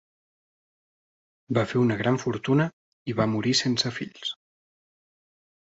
Va fer una gran fortuna i va morir sense fills.